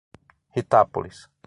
Ritápolis